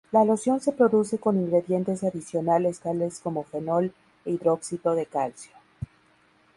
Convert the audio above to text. La loción se produce con ingredientes adicionales tales como fenol e hidróxido de calcio.